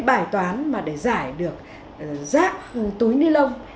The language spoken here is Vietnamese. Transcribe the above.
bài toán để giải được rác túi ni lông